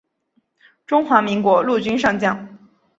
中华民国陆军上将。